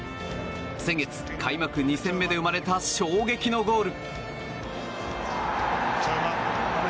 先月、開幕２戦目で生まれた衝撃のゴール。